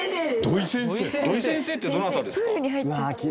土居先生ってどなたですか？